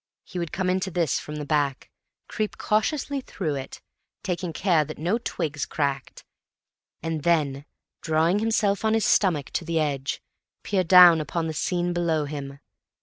He would come into this from the back, creep cautiously through it, taking care that no twigs cracked, and then, drawing himself on his stomach to the edge, peer down upon the scene below him.